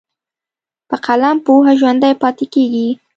په قلم پوهه ژوندی پاتې کېږي.